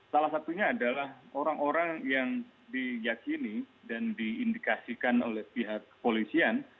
salah satunya adalah orang orang yang diyakini dan diindikasikan oleh pihak kepolisian